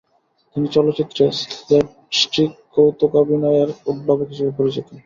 তিনি চলচ্চিত্রে স্ল্যাপস্টিক কৌতুকাভিনয়ের উদ্ভাবক হিসেবে পরিচিত।